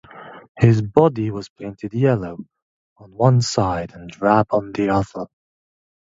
His body was painted yellow on one side and drab on the other.